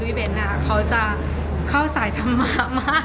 เบ้นเขาจะเข้าสายธรรมะมาก